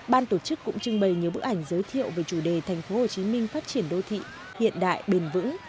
ban tổ chức cũng trưng bày nhiều bức ảnh giới thiệu về chủ đề tp hcm phát triển đô thị hiện đại bền vững